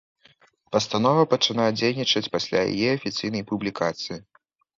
Пастанова пачынае дзейнічаць пасля яе афіцыйнай публікацыі.